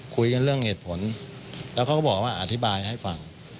คุยกันเรื่องเหตุผลแล้วเขาก็บอกว่าอธิบายให้ฟัง